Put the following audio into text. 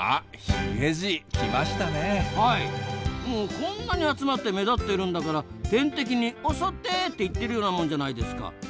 もうこんなに集まって目立っているんだから天敵に「襲って！」って言ってるようなもんじゃないですか。